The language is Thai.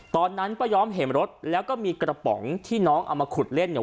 ป้ายอมเห็นรถแล้วก็มีกระป๋องที่น้องเอามาขุดเล่นเนี่ย